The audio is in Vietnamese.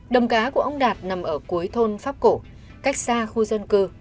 đồng cá của ông đạt nằm ở cuối thôn pháp cổ cách xa khu dân cư